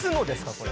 これ。